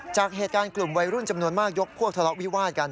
จากเหตุการณ์กลุ่มวัยรุ่นจำนวนมากยกพวกทะเลาะวิวาดกัน